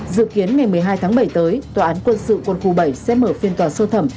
dự kiến ngày một mươi hai tháng bảy tới tòa án quân sự quân khu bảy sẽ mở phiên tòa sơ thẩm